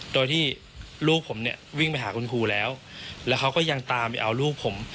โดยที่ลูกผมเนี่ยวิ่งไปหาคุณครูแล้วแล้วเขาก็ยังตามไปเอาลูกผม